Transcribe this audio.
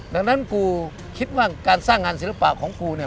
ดังนั้นกูคิดว่าการสร้างงานศิลปะของกูเนี่ย